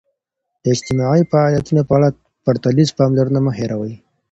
د اجتماعي فعالیتونو په اړه پرتلیزه پاملرنه مه هېروئ.